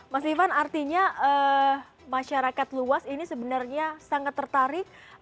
mas ivan artinya masyarakat luas ini sebenarnya sangat tertarik